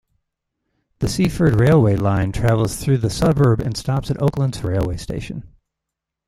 The Seaford railway line travels through the suburb and stops at Oaklands railway station.